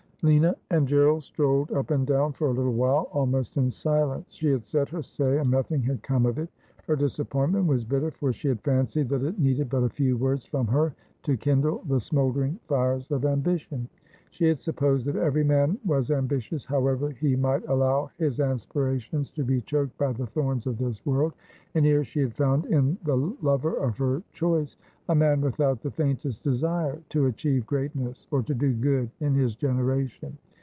Lina and Gerald strolled up and down for a little while, almost in silence. She had said her say, and nothing had come of it. Her disappointment was bitter ; for she had fancied that 'I,ove is not Old, as whan that it is New.' 317 it needed but a few words from her to kindle the smouldering fires of ambition. She had supposed that every man was ambi tious, however he might allow his aspirations to be choked by the thorns of this world : and here she had found in the lover of her choice a man without the faintest desire to achieve great ness, or to do good in his generation.